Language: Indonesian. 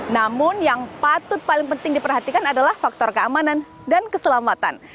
namun yang patut paling penting diperhatikan adalah faktor keamanan dan keselamatan